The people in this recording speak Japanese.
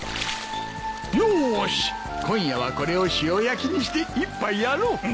よし今夜はこれを塩焼きにして一杯やろう。